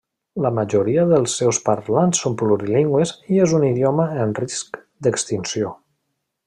La majoria dels seus parlants són plurilingües i és un idioma en risc d'extinció.